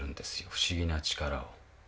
不思議な力を。